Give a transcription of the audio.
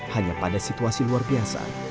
hanya pada situasi luar biasa